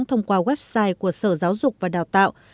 thông qua website của sở giáo dục và đào tạo